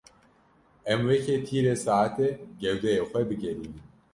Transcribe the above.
Em weke tîrê saetê gewdeyê xwe bigerînin.